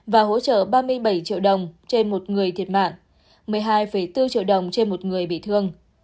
và hỗ trợ ba mươi bảy triệu đồng trên một người thiệt mạng một mươi hai bốn triệu đồng trên một người bị thương